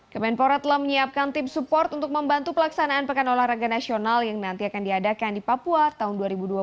kemenpora telah menyiapkan tim support untuk membantu pelaksanaan pekan olahraga nasional yang nanti akan diadakan di papua tahun dua ribu dua puluh